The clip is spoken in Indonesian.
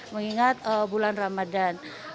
mengingat bulan ramadan